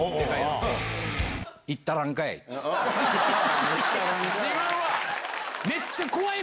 「行ったらんかい」。